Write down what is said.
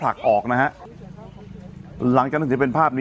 ปรากฏว่าจังหวัดที่ลงจากรถ